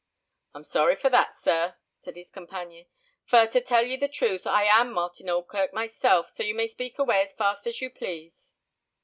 "I'm sorry for that, sir," said his companion; "for, to tell you the truth, I am Martin Oldkirk myself, so you may speak away as fast as you please."